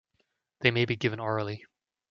They may be given orally.